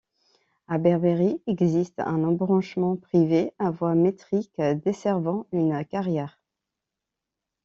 À Barbery, existe un embranchement privé à voie métrique, desservant une carrière.